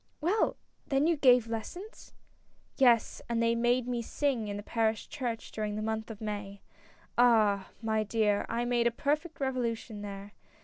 " Well ! then you gave lessons !" "Yes, and they made me sing in the parish church during the month of May. Ah! my dear, I made a perfect revolution there.